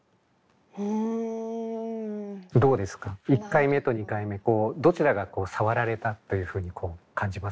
１回目と２回目どちらがさわられたというふうに感じますか？